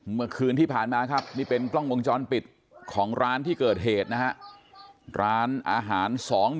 เมื่อคืนที่ผ่านมาครับนี่เป็นกล้องวงจรปิดของร้านที่เกิดเหตุนะฮะร้านอาหาร๒๑